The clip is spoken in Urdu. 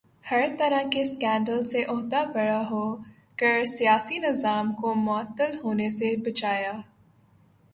ہر طرح کے سکینڈل سے عہدہ برا ہو کر سیاسی نظام کو معطل ہونے سے بچایا